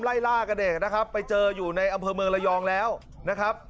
ล่อยล่ากระเด็ดไปเจอครับ